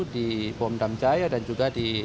di pondam jaya dan juga di